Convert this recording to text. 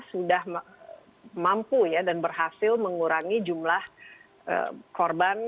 sudah mampu ya dan berhasil mengurangi jumlah korban